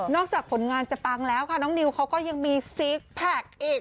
จากผลงานจะปังแล้วค่ะน้องนิวเขาก็ยังมีซิกแพคอีก